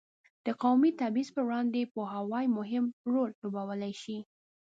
د قومي تبعیض پر وړاندې پوهاوی مهم رول لوبولی شي.